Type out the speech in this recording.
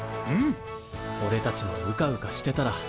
おれたちもうかうかしてたら。